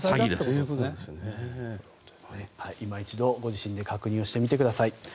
いま一度、ご自身で確認してみてください。